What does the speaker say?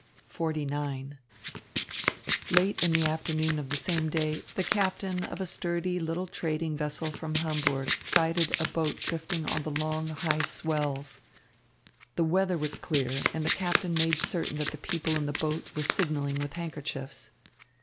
XLIX Late in the afternoon of the same day, the captain of a sturdy little trading vessel from Hamburg sighted a boat drifting on the long, high swells. The weather was clear, and the captain made certain that the people in the boat were signalling with handkerchiefs.